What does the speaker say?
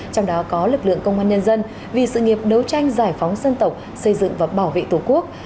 trong đó có lực lượng công an nhân dân vì sự nghiệp đấu tranh giải phóng dân tộc xây dựng và bảo vệ tổ quốc